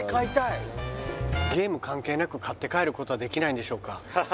いっゲーム関係なく買って帰ることはできないんでしょうか？